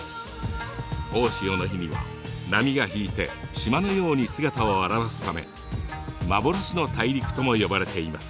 大潮の日には波が引いて島のように姿を現すため「幻の大陸」とも呼ばれています。